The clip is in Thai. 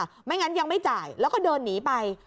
ไม่งั้นยังไม่จ่ายแล้วก็เดินหนีไป